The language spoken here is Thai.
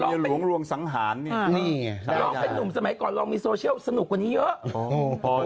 เอาความจริงสิอ้าว